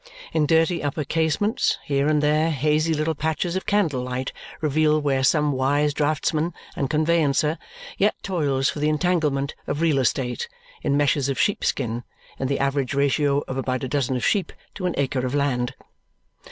In dirty upper casements, here and there, hazy little patches of candlelight reveal where some wise draughtsman and conveyancer yet toils for the entanglement of real estate in meshes of sheep skin, in the average ratio of about a dozen of sheep to an acre of land.